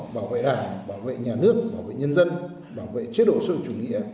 bảo vệ đảng bảo vệ nhà nước bảo vệ nhân dân bảo vệ chế độ sâu chủ nghĩa